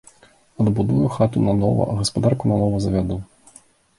Адбудую хату нанова, гаспадарку нанова завяду.